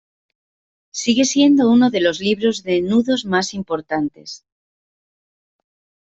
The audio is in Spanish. Sigue siendo uno de los libros de nudos más importantes.